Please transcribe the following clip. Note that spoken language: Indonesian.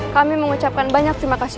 kami mengucapkan banyak terima kasih